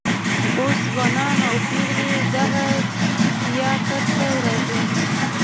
اوس ځوانان او پیغلې دغه تیاتر ته راځي.